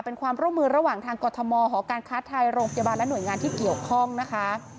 เป็นความร่วมมือระหว่างทางกรทมหอการค้าไทยโรงพยาบาลและหน่วยงานที่เกี่ยวข้องนะคะ